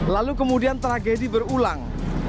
lalu kemudian tragedi berulang